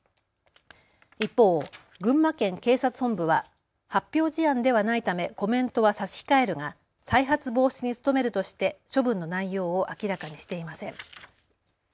一方、群馬県警察本部は発表事案ではないためコメントは差し控えるが再発防止に努めるとして処分の内容を明らかにしていません。